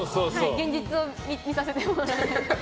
現実を見させてもらいました。